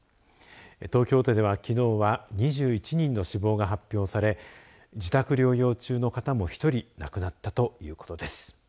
東京都ではきのうは２１人の死亡が発表され自宅療養中の方も１人亡くなったということです。